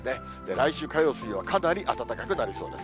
来週火曜、水曜はかなり暖かくなりそうです。